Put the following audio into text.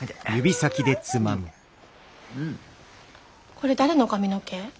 これ誰の髪の毛？